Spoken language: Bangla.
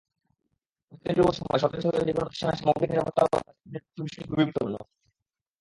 প্রযুক্তিনির্ভর সময়ে সরকারি-বেসরকারি যেকোনো প্রতিষ্ঠানের সামগ্রিক নিরাপত্তা ব্যবস্থায় সাইবার নিরাপত্তার বিষয়টি খুবই গুরুত্বপূর্ণ।